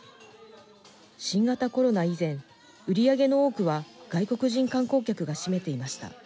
新型コロナ以前、売り上げの多くは、外国人観光客が占めていました。